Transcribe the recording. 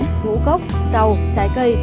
ngũ cốc rau trái cây